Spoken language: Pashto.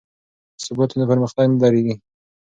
که ثبات وي نو پرمختګ نه دریږي.